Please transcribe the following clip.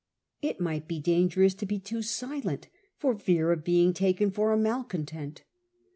It might be dangerous to be too silent, for fear of being taken for a malcontent.